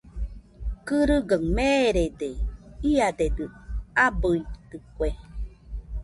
Kɨrɨgaɨ meerede, iadedɨ abɨitɨkue.